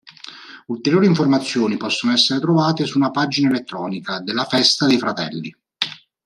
Ulteriori informazioni possono essere trovate su una pagina elettronica della Festa dei fratelli.